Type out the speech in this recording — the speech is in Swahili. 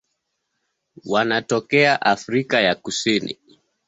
Wanatokea Afrika ya Kusini.